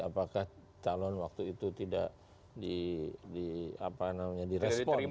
apakah calon waktu itu tidak di apa namanya direspon